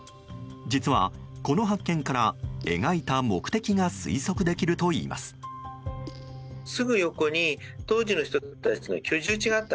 実は、この発見から描いた目的が推測できるといいます。